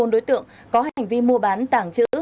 bốn mươi bốn đối tượng có hành vi mua bán tảng chữ